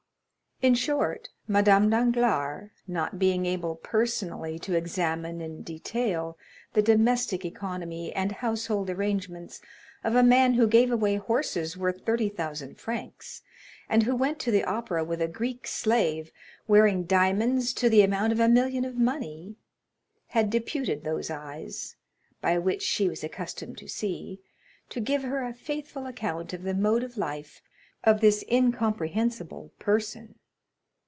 In short, Madame Danglars, not being able personally to examine in detail the domestic economy and household arrangements of a man who gave away horses worth 30,000 francs and who went to the opera with a Greek slave wearing diamonds to the amount of a million of money, had deputed those eyes, by which she was accustomed to see, to give her a faithful account of the mode of life of this incomprehensible person.